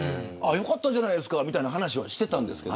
よかったじゃないですかみたいな話をしていたんです。